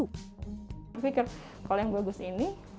saya pikir kalau yang bagus ini